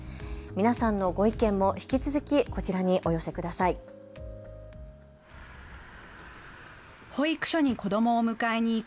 皆さんのご意見も引き続きこちらにお寄せください。